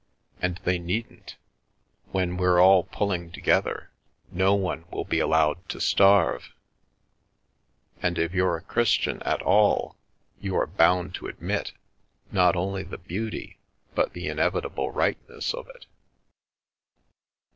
And they needn't When we're all pulling together, no one will be allowed to 260 Mostly on Food and Money starve. And if you're a Christian at all, you are bound to admit, not only the beauty, but the inevitable Tightness of it."